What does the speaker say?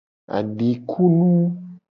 Adikunu.